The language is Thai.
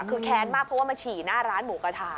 คือแค้นมากเพราะว่ามาฉี่หน้าร้านหมูกระทะ